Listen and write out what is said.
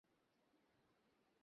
শরীর সত্যি সত্যি বিদ্রোহ করেছে।